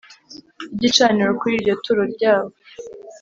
y igicaniro Kuri iryo turo ryabo